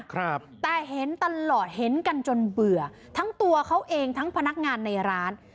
ครับแต่เห็นตลอดเห็นกันจนเบื่อทั้งตัวเขาเองทั้งพนักงานในร้าน